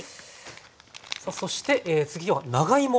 さあそして次は長芋。